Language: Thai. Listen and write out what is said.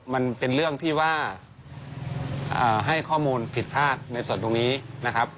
มันเป็นเรื่องที่ว่าให้ข้อมูลผิดพลาดในส่วนตรงนี้นะครับ